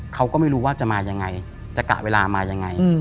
เขาก็ไม่รู้ว่าจะมายังไงจะกะเวลามายังไง